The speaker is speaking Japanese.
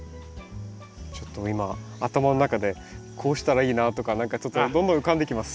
ちょっと今頭の中でこうしたらいいなとか何かちょっとどんどん浮かんできます。